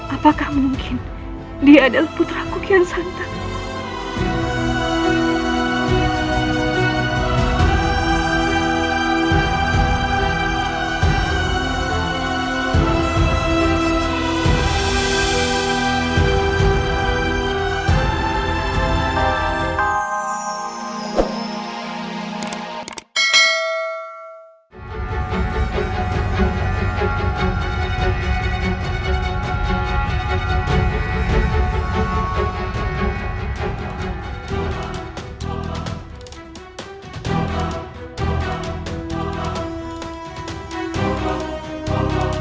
apakah mungkin dia adalah putraku kian santan